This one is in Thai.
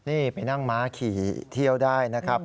นี่ไปนั่งม้าขี่เที่ยวได้นะครับ